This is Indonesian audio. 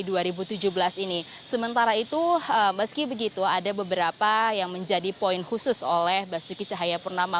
di sementara itu meski begitu ada beberapa yang menjadi poin khusus oleh basuki cahaya purnama